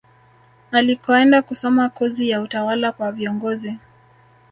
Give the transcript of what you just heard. Alikoenda kusoma kozi ya utawala kwa viongozi